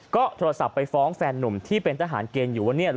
ก็โทรศัพท์ไปฟ้องแฟนนุ่มที่เป็นทหารเกณฑ์อยู่ว่าเนี่ย